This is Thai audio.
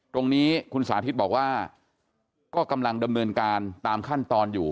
ตรงนี้คุณสาธิตบอกว่าก็กำลังดำเนินการตามขั้นตอนอยู่